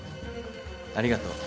ありがとう。